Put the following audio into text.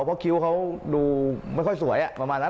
เพราะคิ้วเขาดูไม่ค่อยสวยประมาณนั้น